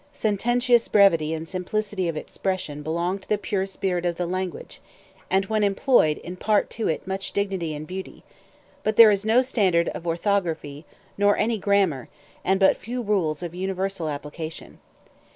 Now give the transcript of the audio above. Sententious brevity and simplicity of expression belong to the pure spirit of the language, and when employed impart to it much dignity and beauty; but there is no standard of orthography, nor any grammar, and but few rules of universal application.